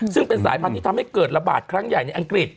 ซึ่งเป็นสายพันธุ์ที่ทำให้เกิดระบาดครั้งใหญ่ในอังกฤษ